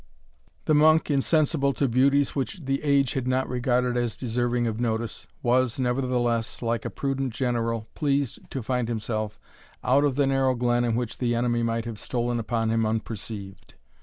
The monk, insensible to beauties which the age had not regarded as deserving of notice, was, nevertheless, like a prudent general, pleased to find himself out of the narrow glen in which the enemy might have stolen upon him unperceived.